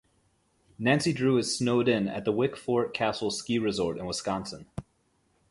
Nancy Drew is snowed-in at the Wickford Castle Ski Resort in Wisconsin.